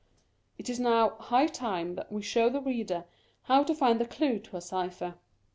It is now high time that we show the reader how to find the clue to a cypher.